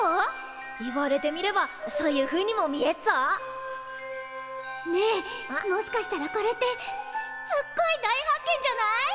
言われてみればそういうふうにも見えっぞ。ねえもしかしたらこれってすっごい大発見じゃない？